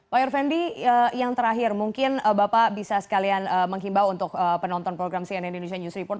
pak irvendi yang terakhir mungkin bapak bisa sekalian menghimbau untuk penonton program cnn indonesia news report